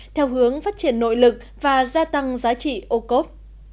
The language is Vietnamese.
theo hướng phát triển nội lực và gia tăng giá trị ô cốp